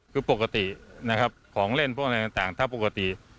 คือปกตินะครับของเล่นพวกอะไรต่างถ้าปกติ